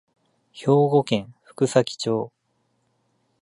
兵庫県福崎町